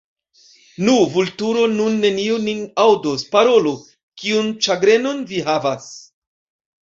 Nu, Vulturo, nun neniu nin aŭdos, parolu: kiun ĉagrenon vi havas?